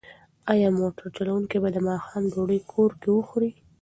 ایا موټر چلونکی به د ماښام ډوډۍ کور کې وخوري؟